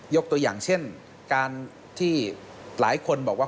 ตัวอย่างเช่นการที่หลายคนบอกว่า